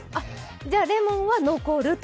じゃあ、レモンは残ると？